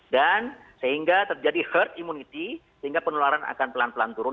dan sehingga terjadi herd immunity sehingga penularan akan pelan pelan turun